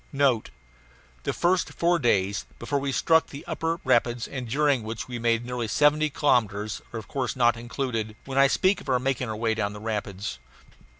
NOTE: The first four days, before we struck the upper rapids, and during which we made nearly seventy kilometres, are of course not included when I speak of our making our way down the rapids.